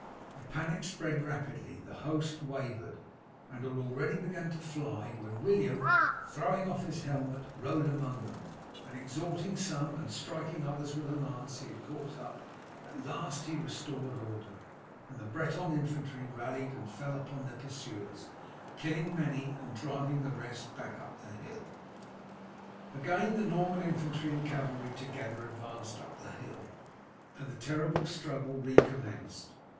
The panic spread rapidly, the host wavered, and had already begun to fly, when William, throwing off his helmet, rode among them, and exhorting some and striking others with a lance he had caught up, at last restored order, and the Breton infantry rallied and fell upon their pursuers, killing many and driving the rest back up the hill. Again the Norman infantry and cavalry together advanced up the hill, and the terrible struggle recommenced.